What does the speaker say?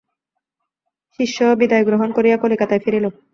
শিষ্যও বিদায় গ্রহণ করিয়া কলিকাতায় ফিরিল।